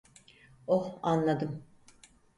Oh, anladım.